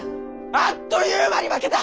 あっという間に負けた！